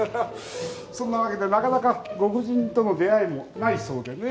そんなわけでなかなかご婦人との出会いもないそうでね。